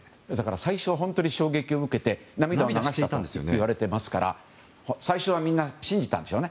最初は本当に衝撃を受けて涙を流したといわれていますから最初はみんな信じたんでしょうね。